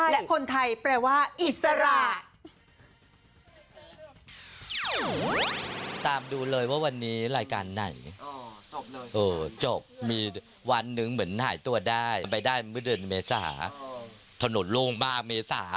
และคนไทยแปลว่าอิสระ